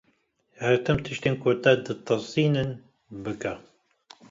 Her tim tiştên ku te ditirsînin, bike.